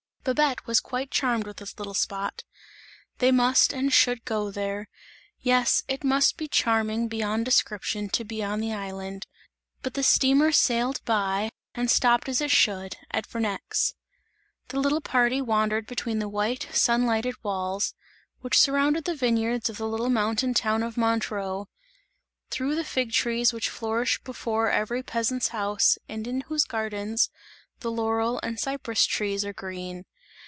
Babette was quite charmed with this little spot; they must and should go there, yes, it must be charming beyond description to be on the island; but the steamer sailed by, and stopped as it should, at Vernex. The little party wandered between the white, sunlighted walls, which surround the vineyards of the little mountain town of Montreux, through the fig trees which flourish before every peasant's house and in whose gardens, the laurel and cypress trees are green.